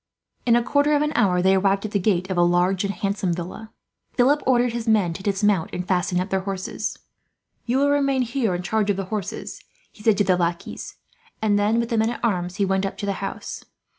In a quarter of an hour they arrived at the gate of a large and handsome villa. Philip ordered his men to dismount, and fasten up their horses. "You will remain here, in charge of the horses," he said to the lackeys; and then, with the men at arms, he went up to the house.